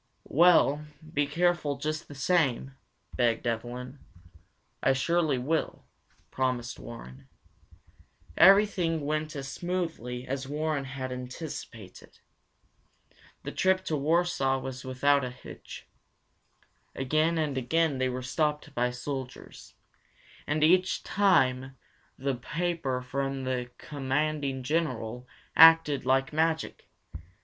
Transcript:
"Well, be careful just the same," begged Evelyn. "I surely will," promised Warren. Everything went as smoothly as Warren had anticipated. The trip to Warsaw was without a hitch. Again and again they were stopped by soldiers, and each time the paper from the Commanding General acted like magic.